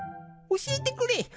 おしえてくれ。